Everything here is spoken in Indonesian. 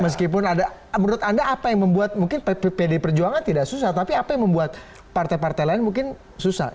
meskipun ada menurut anda apa yang membuat mungkin pd perjuangan tidak susah tapi apa yang membuat partai partai lain mungkin susah